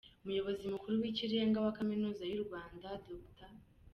Umuyobozi Mukuru w’Ikirenga wa Kaminuza y’u Rwanda, Dr.